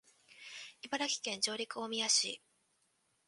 茨城県常陸大宮市